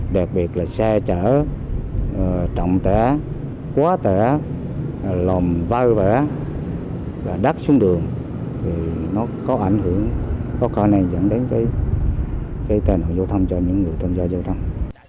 đặc biệt là xe chở trọng tẻ quá tẻ lòm vai vẻ và đắt xuống đường thì nó có ảnh hưởng có khóa này dẫn đến cái tài năng giao thông cho những người thân gia giao thông